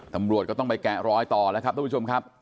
ตำรวจก็ต้องไปแกะรอยต่อแล้วครับทุกผู้ชมครับ